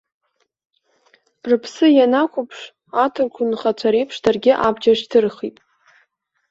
Рыԥсы ианақәыԥш, аҭырқә нхацәа реиԥш, даргьы абџьар шьҭырхит.